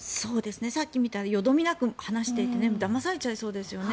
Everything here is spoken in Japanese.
さっき見たらよどみなく話していてだまされちゃいそうですよね。